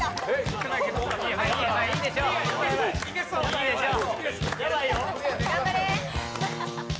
いいでしょう。